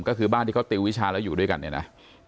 ก็คือบ้านที่เขาติววิชาแล้วอยู่ด้วยกันเนี่ยนะ